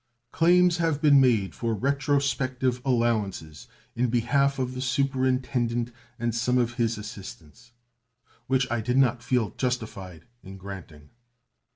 Claims have been made for retrospective allowances in behalf of the superintendent and some of his assistants, which I did not feel justified in granting.